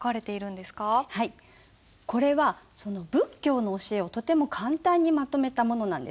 これは仏教の教えをとても簡単にまとめたものなんです。